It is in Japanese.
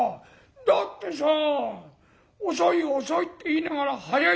「だってさ遅い遅いって言いながら早いんですもの。